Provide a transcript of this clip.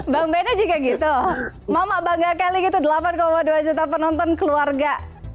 bang benny juga gitu mama bangga kali gitu delapan dua juta penonton keluarga